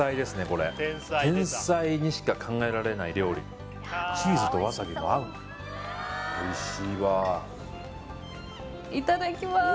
これ天才にしか考えられない料理チーズとわさびも合うおいしいわいただきます